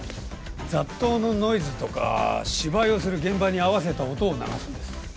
雑踏のノイズとか芝居をする現場に合わせた音を流すんです